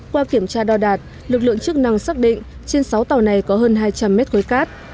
qua kiểm tra đo đạt lực lượng chức năng xác định trên sáu tàu này có hơn hai trăm linh mét khối cát